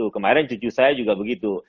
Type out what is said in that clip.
kemarin cucu saya juga begitu